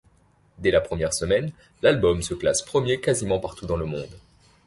Dès la première semaine, l'album se classe premier quasiment partout dans le monde’.